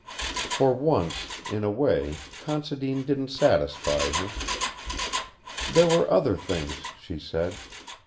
For once in a way Considine didn't satisfy her. There were other things, she said.